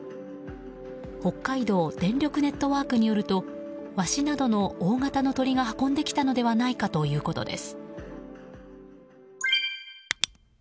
北海道電力ネットワークによるとワシなどの大型の鳥が運んできたのではないかということです。